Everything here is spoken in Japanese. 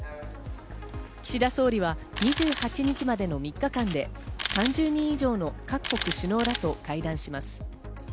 岸田総理は２８日までの３日間で３０人以上の各国首脳らと会談します。